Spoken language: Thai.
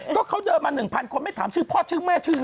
ก็เขาเดินมา๑๐๐คนไม่ถามชื่อพ่อชื่อแม่ชื่อ